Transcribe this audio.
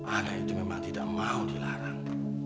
ada itu memang tidak mau dilarang